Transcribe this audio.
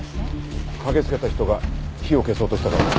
駆けつけた人が火を消そうとしたからだ。